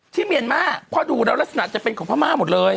เมียนมาเพราะดูแล้วลักษณะจะเป็นของพม่าหมดเลย